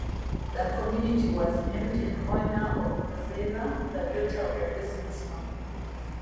The community was named in honor of Roseila, the daughter of a businessman.